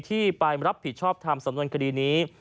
ที่ไปรับผิดชอบทำสำนวนคดีนี้